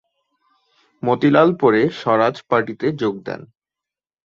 মতিলাল পরে স্বরাজ পার্টিতে যোগ দেন।